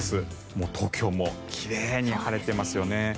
もう東京も奇麗に晴れていますよね。